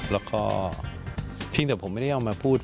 แล้วก็เพียงแต่ผมไม่ได้เอามาพูด